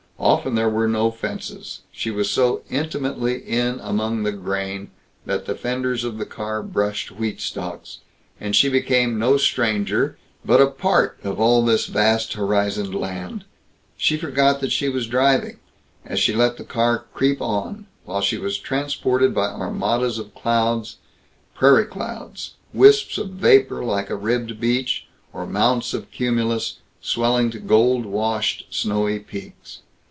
Often there were no fences; she was so intimately in among the grain that the fenders of the car brushed wheat stalks, and she became no stranger, but a part of all this vast horizoned land. She forgot that she was driving, as she let the car creep on, while she was transported by Armadas of clouds, prairie clouds, wisps of vapor like a ribbed beach, or mounts of cumulus swelling to gold washed snowy peaks.